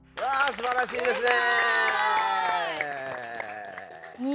すばらしいですね！